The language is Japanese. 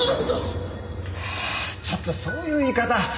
ちょっとそういう言い方。